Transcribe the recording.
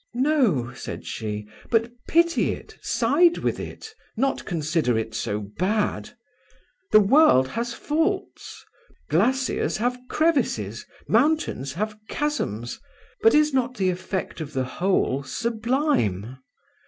"No," said she, "but pity it, side with it, not consider it so bad. The world has faults; glaciers have crevices, mountains have chasms; but is not the effect of the whole sublime?